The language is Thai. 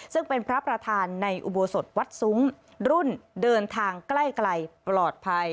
ซึ่งเป็นพระประธานในอุโบสถวัดซุ้มรุ่นเดินทางใกล้ปลอดภัย